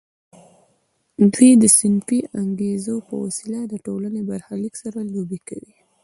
دوی د صنفي انګیزو په وسیله د ټولنې برخلیک سره لوبې کوي